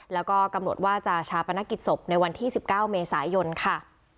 แล้วก็กำหนดว่าจะชาปนกิจศพในวันที่๑๙เมษายนค่ะ